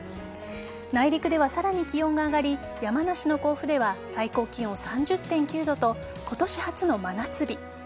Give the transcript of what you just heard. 内陸ではさらに気温が上がり山梨の甲府では最高気温３０．９度と今年初の真夏日。